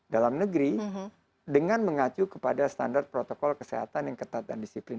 dalam negeri dengan mengacu kepada standar protokol kesehatan yang ketat dan disiplin